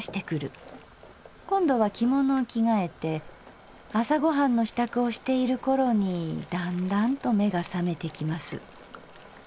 今度は着物を着替えて朝ご飯の支度をしているころにだんだんと目が覚めてきます。